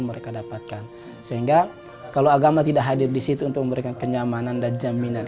mereka dapatkan sehingga kalau agama tidak hadir disitu untuk memberikan kenyamanan dan jaminan